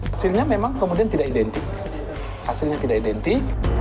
hasilnya memang kemudian tidak identik hasilnya tidak identik